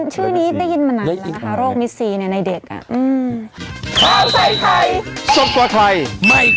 ชื่อนี้ได้ยินมานานแล้วนะคะโรคมิซีในเด็ก